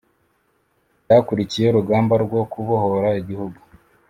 byakurikiye urugamba rwo kubohora igihugu